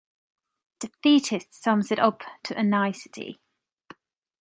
'Defeatist' sums it up to a nicety.